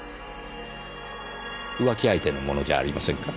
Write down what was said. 浮気相手のものじゃありませんか？